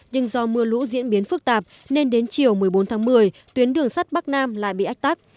nhưng do mưa lũ diễn biến phức tạp nên đến chiều một mươi bốn tháng một mươi tuyến đường sắt bắc nam lại bị ách tắc